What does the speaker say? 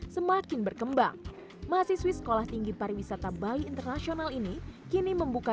semakin berkembang mahasiswi sekolah tinggi pariwisata bali internasional ini kini membuka